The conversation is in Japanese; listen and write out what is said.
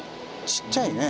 ちっちゃいな。